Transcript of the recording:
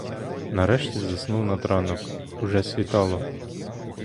Нарешті заснув над ранок; уже світало.